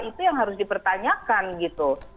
itu yang harus dipertanyakan gitu